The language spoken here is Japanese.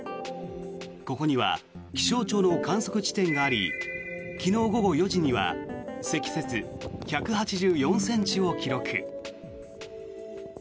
ここには気象庁の観測地点があり昨日午後４時には積雪１８４ｃｍを記録。